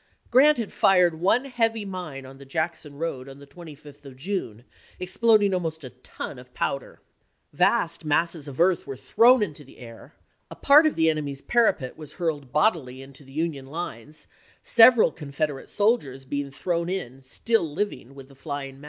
Grant had fired one heavy mine on the Jackson road on the 25th of June, ex ploding almost a ton of powder. Vast masses of earth were thrown into the air, a part of the enemy's parapet was hurled bodily into the Union lines, several Confederate soldiers being thrown in, still living, with the flying mass.